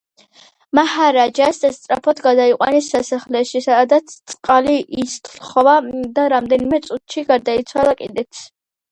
მაჰარაჯა სასწრაფოდ გადაიყვანეს სასახლეში, სადაც წყალი ითხოვა და რამდენიმე წუთში გარდაიცვალა კიდეც.